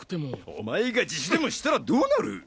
お前が自首でもしたらどうなる？